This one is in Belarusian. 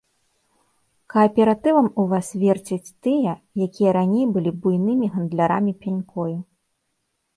Кааператывам у вас верцяць тыя, якія раней былі буйнымі гандлярамі пянькою.